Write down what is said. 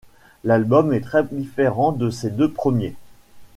L'album est très différent de ses deux premiers.